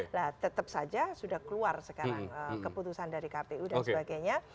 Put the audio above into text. nah tetap saja sudah keluar sekarang keputusan dari kpu dan sebagainya